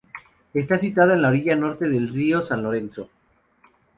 Está situada en la orilla norte del río San Lorenzo.